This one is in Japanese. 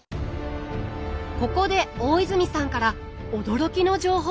ここで大泉さんから驚きの情報が！